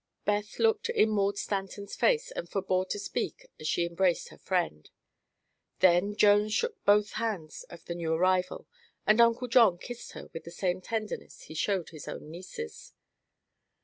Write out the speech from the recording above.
Beth looked in Maud Stanton's face and forbore to speak as she embraced her friend. Then Jones shook both hands of the new arrival and Uncle John kissed her with the same tenderness he showed his own nieces.